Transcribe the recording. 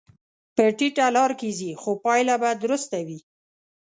په ټیټه لار کې ځې، خو پایله به درسته وي.